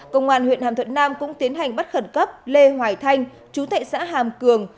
công an huyện hàm thuận nam cũng tiến hành bắt khẩn cấp lê hoài thanh chú thệ xã hàm cường